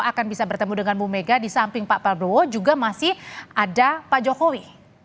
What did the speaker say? akan bisa bertemu dengan bu mega di samping pak prabowo juga masih ada pak jokowi